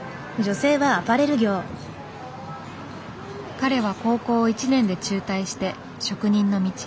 彼は高校を１年で中退して職人の道へ。